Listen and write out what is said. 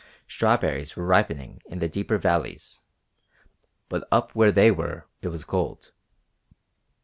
Strawberries were ripening in the deeper valleys, but up where they were it was cold.